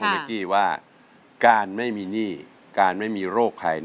คุณเป๊กกี้ว่าการไม่มีหนี้การไม่มีโรคไทย